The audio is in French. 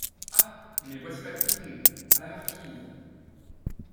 Ah ! mais voici ma cousine À la marquise.